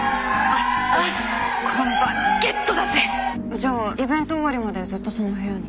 じゃあイベント終わりまでずっとその部屋に。